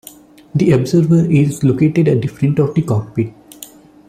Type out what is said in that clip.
The observer is located at the front of the cockpit.